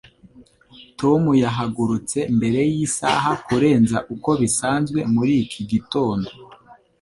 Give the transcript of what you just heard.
Tom yahagurutse mbere yisaha kurenza uko bisanzwe muri iki gitondo.